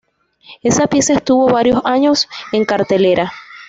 Esa pieza estuvo varios años en cartelera.